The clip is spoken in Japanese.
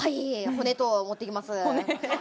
骨と持っていきます。